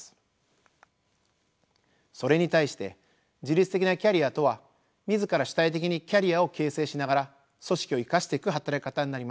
それに対して自律的なキャリアとは自ら主体的にキャリアを形成しながら組織を生かしていく働き方になります。